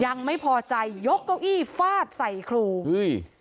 ยังไม่พอใจยกเก้าอี้ฟาดใส่ครูเฮ้ย